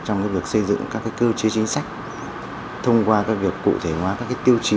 trong việc xây dựng các cơ chế chính sách thông qua việc cụ thể hóa các tiêu chí